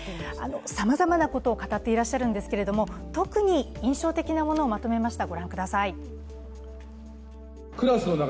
さまざまなことを語っていらっしゃるんですけれども、特に印象的なものをまとめました。